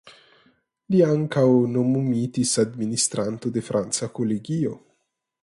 Li ankaŭ nomumitis administranto de Franca Kolegio.